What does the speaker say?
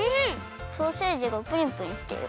ソーセージがプリプリしてる。